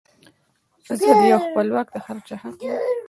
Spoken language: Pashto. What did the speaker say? ازادي او خپلواکي د هر چا حق دی.